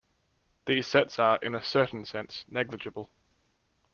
These sets are, in a certain sense, "negligible".